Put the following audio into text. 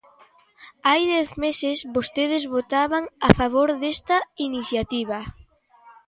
Hai dez meses vostedes votaban a favor desta iniciativa.